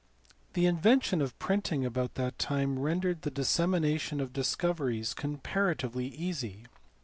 The invention of printing about that time rendered the dis semination of discoveries comparatively easy.